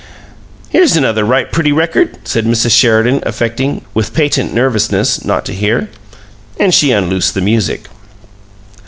"Here's another right pretty record," said Mrs. Sheridan, affecting with patent nervousness not to hear. And she unloosed the music.